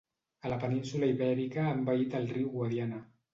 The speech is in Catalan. A la península Ibèrica ha envaït el riu Guadiana.